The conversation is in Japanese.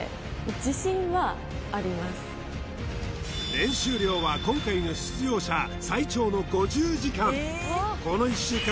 練習量は今回の出場者最長の５０時間